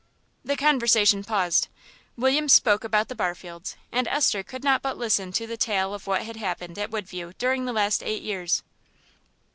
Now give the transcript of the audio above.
The conversation paused. William spoke about the Barfields, and Esther could not but listen to the tale of what had happened at Woodview during the last eight years.